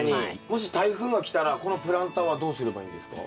もし台風が来たらこのプランターはどうすればいいんですか？